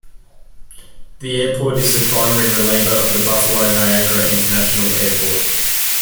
The airport is the primary-reliever of the Buffalo Niagara International Airport.